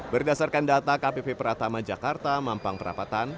berdasarkan data kpp pratama jakarta mampang perapatan